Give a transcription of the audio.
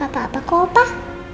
apa apa kok opah